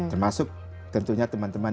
termasuk tentunya teman teman